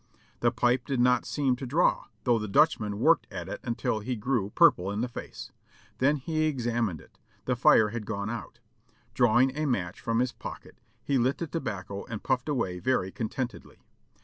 The pipe did not seem to draw, though the Dutchman worked at it until he grew purple in the face. Then he examined it; the fire had gone out. Drawing a match from his pocket he lit the tobacco and puffed away very contentedly.